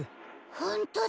ほんとだ。